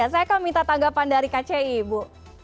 saya akan minta tanggapan dari kci bu